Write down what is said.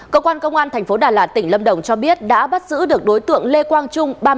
cơ quan công an thành phố đà lạt tỉnh lâm đồng cho biết đã bắt giữ được đối tượng lê quang trung